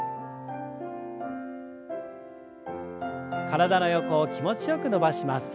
体の横を気持ちよく伸ばします。